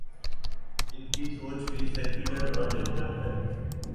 ان کی سوچ بھی سیکولر اور لبرل ہے۔